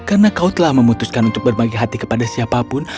karena kau telah memutuskan untuk berbagi hati kepada siapapun